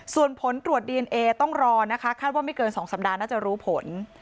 ส่วนผลตรวจดีเอนเอต้องรอนะคะคาดว่าไม่เกิน๒สัปดาห์น่าจะรู้ผล